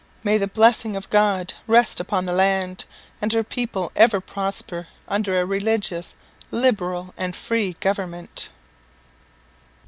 May the blessing of God rest upon the land! and her people ever prosper under a religious, liberal, and free government!